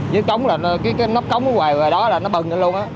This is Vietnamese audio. như cống là cái nắp cống của hoài rồi đó là nó bần lên luôn á